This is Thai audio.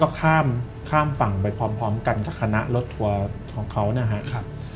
ก็ข้ามฝั่งไปพร้อมกันกับคณะรถทัวร์ของเขานะครับ